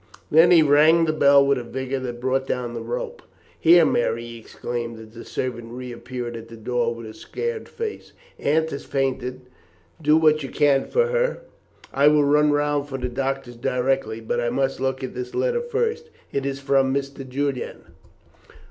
Then he rang the bell with a vigour that brought down the rope. "Here, Mary," he exclaimed, as the servant re appeared at the door with a scared face, "Aunt has fainted; do what you can for her. I will run round for the doctor directly; but I must look at this letter first. It is from Mr. Julian."